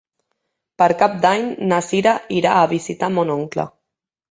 Per Cap d'Any na Cira irà a visitar mon oncle.